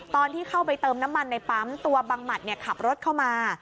ตอนที่เข้าไปเติมน้ำมันในปั๊มตัวบังหมัดขับรถเข้ามา